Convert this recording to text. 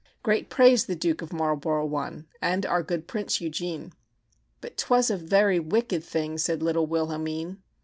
"Great praise the Duke of Marlborough won, And our good Prince Eugene." "But 'twas a very wicked thing," Said little Wilhelmine.